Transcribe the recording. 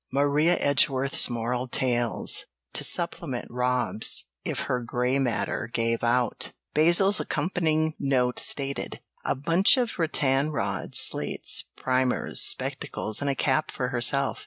Maria Edgeworth's Moral Tales to supplement Rob's, if "her grey matter gave out," Basil's accompanying note stated; a bunch of rattan rods, slates, primers, spectacles, and a cap for herself.